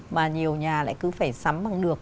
mà nhiều nhà lại cứ phải sắm bằng lược